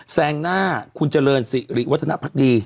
แซงหน้าคุณเจริญสิริวัฒนภักดี